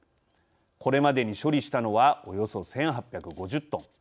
これまでに処理したのはおよそ１８５０トン。